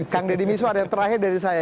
kang deddy miswar yang terakhir dari saya